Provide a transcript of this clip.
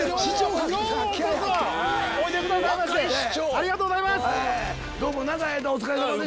ありがとうございます！